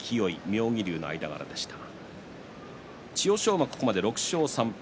馬、ここまで６勝３敗。